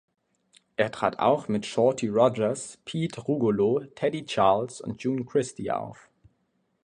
Er trat auch mit Shorty Rogers, Pete Rugolo, Teddy Charles und June Christy auf.